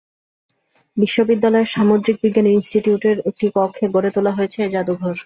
বিশ্ববিদ্যালয়ের সামুদ্রিক বিজ্ঞান ইন্সটিটিউটের একটি কক্ষে গড়ে তোলা হয়েছে এ জাদুঘর।